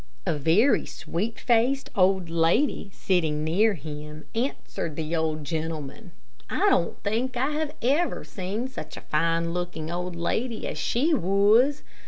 A very sweet faced old lady sitting near him answered the old gentleman. I don't think I have ever seen such a fine looking old lady as she was.